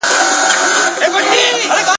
ملاجان وايي وېشونه ازلي دي ..